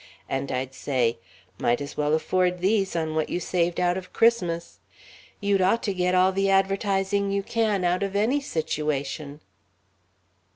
And I'd say: 'Might as well afford these on what you saved out of Christmas.' You'd ought to get all the advertising you can out of any situation."